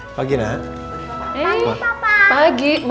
bakal aku tetap cita cita